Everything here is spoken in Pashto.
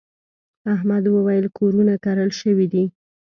احمد وويل: کورونه کرل شوي دي.